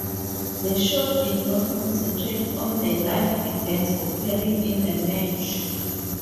The show did not concentrate on the live events occurring in the match.